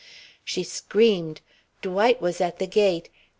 She screamed. Dwight was at the gate.